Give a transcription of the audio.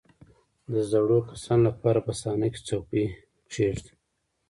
• د زړو کسانو لپاره په صحنه کې څوکۍ کښېږده.